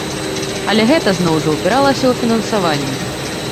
Але гэта, зноў жа, упіралася ў фінансаванне.